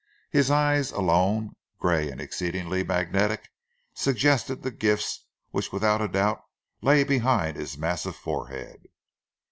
His eyes alone, grey and exceedingly magnetic, suggested the gifts which without a doubt lay behind his massive forehead.